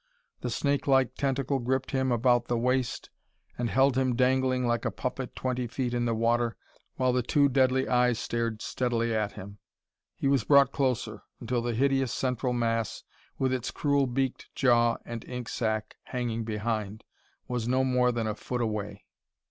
The snakelike tentacle gripped him about the waist, and held him dangling like a puppet twenty feet in the water while the two deadly eyes stared steadily at him. He was brought closer, until the hideous central mass, with its cruel beaked jaw and ink sac hanging behind, was no more than a foot away.